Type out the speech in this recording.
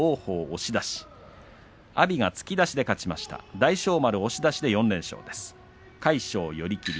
大翔丸、押し出しで４連勝です。